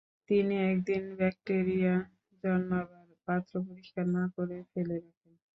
তিনি একদিন ব্যাকটেরিয়া জন্মাবার পাত্র পরিষ্কার না করে ফেলে রাখেন।